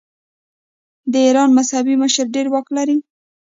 د ایران مذهبي مشر ډیر واک لري.